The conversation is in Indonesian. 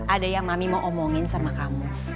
ada yang mami mau omongin sama kamu